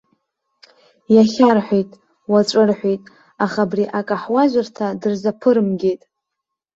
Иахьа рҳәеит, уаҵәы рҳәеит, аха абри акаҳуажәырҭа дырзаԥырымгеит.